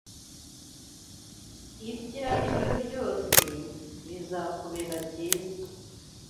Ibyo ari byo byose, bizakubera byiza